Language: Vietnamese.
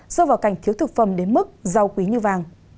do vào cảnh thiếu thực phẩm đến mức rau quý như vàng